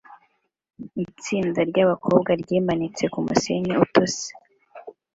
Itsinda ryabakobwa ryimanitse kumusenyi utose